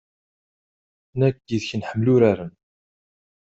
Nekk yid-k nḥemmel uraren.